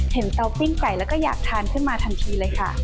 เตาปิ้งไก่แล้วก็อยากทานขึ้นมาทันทีเลยค่ะ